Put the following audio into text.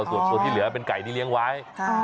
ส่วนส่วนที่เหลือเป็นไก่ที่เลี้ยงไว้